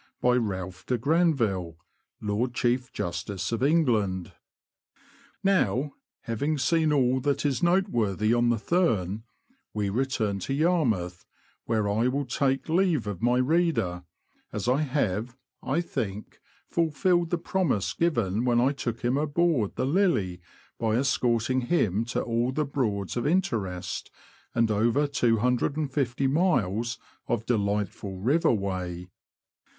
by Ralphe de Granville, Lord Chief Justice of England. Now, having seen all that is noteworthy on the Thurne, we return to Yarmouth, where I will take leave of my reader, as I have, I think, fulfilled the promise given when I took him aboard the " Lily," by escorting him to all the Broads of interest, and over 250 miles of delightful river way.